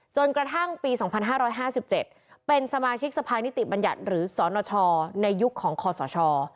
จนกระทั่งปี๒๕๕๗เป็นสมาชิกสภานิติบัญญัติหรือสนชในยุคของคอสช